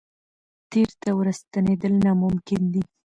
تېر ته ورستنېدل ناممکن دي.